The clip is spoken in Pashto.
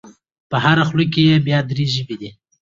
په هره خوله کې یې بیا درې ژبې دي.